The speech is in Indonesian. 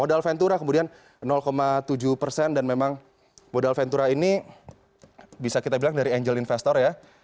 modal ventura kemudian tujuh persen dan memang modal ventura ini bisa kita bilang dari angel investor ya